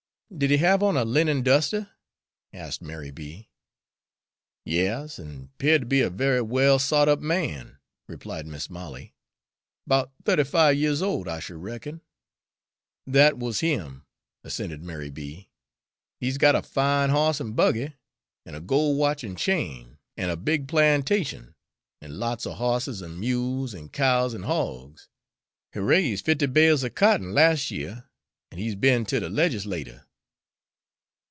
"Did he have on a linen duster?" asked Mary B. "Yas, an' 'peared to be a very well sot up man," replied Mis' Molly, "'bout thirty five years old, I should reckon." "That wuz him," assented Mary B. "He's got a fine hoss an' buggy, an' a gol' watch an' chain, an' a big plantation, an' lots er hosses an' mules an' cows an' hawgs. He raise' fifty bales er cotton las' year, an' he's be'n ter the legislatur'."